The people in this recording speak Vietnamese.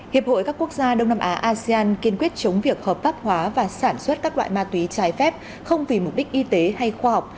hiệp hội các quốc gia đông nam á asean kiên quyết chống việc hợp pháp hóa và sản xuất các loại ma túy trái phép không vì mục đích y tế hay khoa học